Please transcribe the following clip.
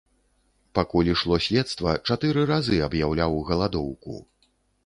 Пакуль ішло следства чатыры разы аб'яўляў галадоўку.